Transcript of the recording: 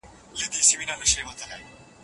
د مقدسې مينې پای دی سړی څه ووايي؟